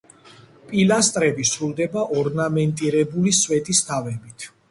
პილასტრები სრულდება ორნამენტირებული სვეტისთავებით.